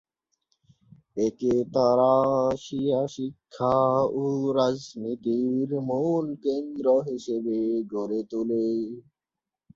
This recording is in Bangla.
একে তারা শিয়া শিক্ষা ও রাজনীতির মূল কেন্দ্র হিসেবে গড়ে তোলে।